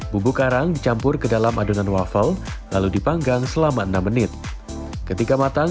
bumbu karang dicampur ke dalam adonan waffle lalu dipanggang selama enam menit ketika matang